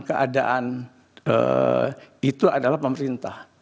keadaan itu adalah pemerintah